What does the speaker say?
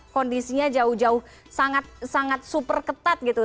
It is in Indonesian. kondisinya jauh jauh sangat super ketat gitu